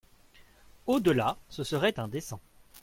Au-delà, ce serait indécent.